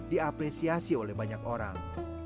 diapresiasi oleh banyak orang